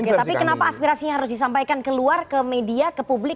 oke tapi kenapa aspirasinya harus disampaikan keluar ke media ke publik